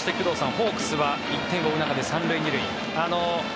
ホークスは１点を追う中で３塁２塁。